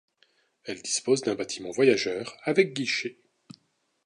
Elle dispose d'un bâtiment voyageurs avec guichets.